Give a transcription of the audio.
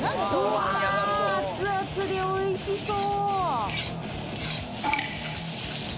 熱々でおいしそう！